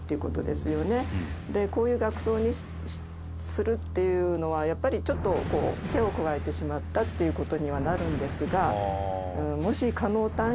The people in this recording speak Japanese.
「こういう額装にするっていうのはやっぱりちょっと手を加えてしまったっていう事にはなるんですが」